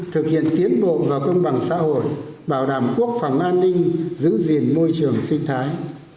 thực hiện tiến bộ và công bằng xã hội bảo đảm quốc phòng an ninh giữ gìn môi trường sinh thái